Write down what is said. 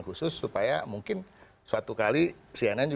khusus supaya mungkin suatu kali cnn